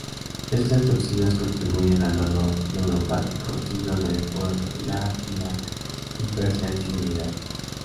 Estas toxinas contribuyen al dolor neuropático, síndrome de fuga capilar, y la hipersensibilidad.